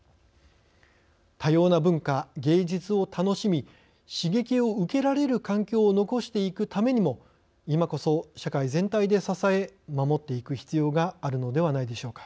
多様な文化芸術を楽しみ刺激を受けられる環境を残していくためにも今こそ社会全体で支え守っていく必要があるのではないでしょうか。